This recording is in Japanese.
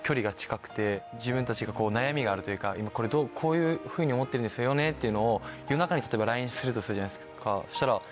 自分たちが悩みがあるというか今これこういうふうに思ってるんですよねっていうのを夜中にＬＩＮＥするとするじゃないですか。